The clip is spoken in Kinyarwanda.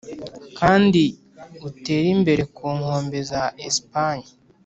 kandi utere imbere ku nkombe za espanye.